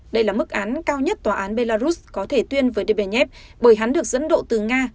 đây là mức án cao nhất tòa án belarus có thể tuyên với dveb bởi hắn được dẫn độ từ nga